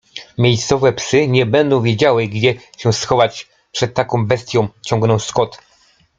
Miejscowe psy nie będą wiedziały, gdzie się schować przed taką bestią ciągnął Scott. -